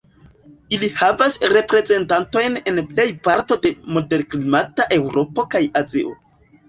Ili havas reprezentantojn en plej parto de moderklimata Eŭropo kaj Azio.